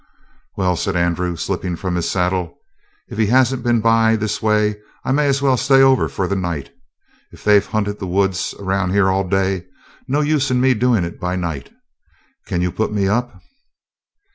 "Well," said Andrew, slipping from his saddle, "if he hasn't been by this way I may as well stay over for the night. If they've hunted the woods around here all day, no use in me doing it by night. Can you put me up?"